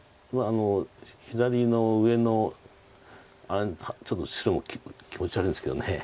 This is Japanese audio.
左の上のちょっと白も気持ち悪いんですけど。